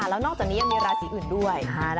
แล้วนอกจากนี้ยังมีราศีอื่นด้วย